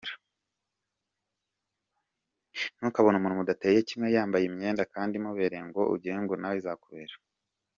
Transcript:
Ntukabone umuntu mudateye kimwe, yambaye imyenda kandi imubereye ngo ugirengo nawe izakubera.